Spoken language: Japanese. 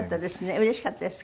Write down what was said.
うれしかったですか？